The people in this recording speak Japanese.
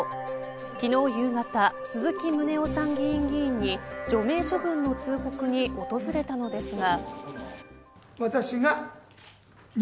昨日夕方、鈴木宗男参議院議員に除名処分の通告に訪れたのですが。